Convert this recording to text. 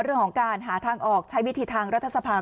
เรื่องของการหาทางออกใช้วิธีทางรัฐสภา